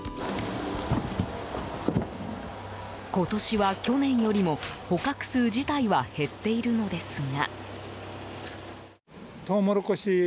今年は去年よりも、捕獲数自体は減っているのですが。